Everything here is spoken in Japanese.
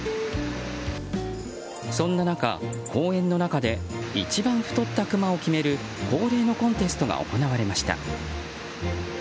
そんな中、公園の中で一番太ったクマを決める恒例のコンテストが行われました。